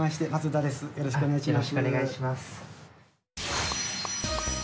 よろしくお願いします。